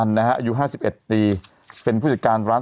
ชอบคุณครับ